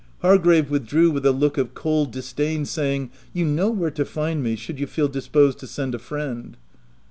Hargrave with drew w T ith a look of cold disdain, saying, —" You know where to find me, should you feel disposed to send a friend."